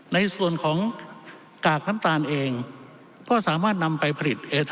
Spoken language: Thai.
ในส่วนของกากน้ำตาลเองก็สามารถนำไปผลิตเอส